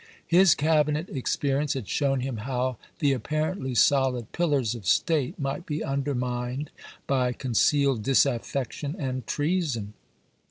His Cabinet experience had shown him how the apparently sohd pillars of state might be undermined by con cealed disaffection and treason.